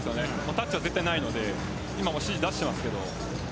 タッチは絶対にないので今も指示を出していますけど。